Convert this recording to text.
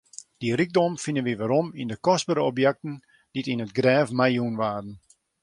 Dy rykdom fine wy werom yn kostbere objekten dy't yn it grêf meijûn waarden.